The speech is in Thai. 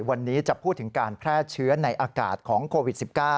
วันนี้จะพูดถึงการแพร่เชื้อในอากาศของโควิด๑๙